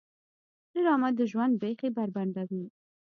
ډرامه د ژوند پېښې بربنډوي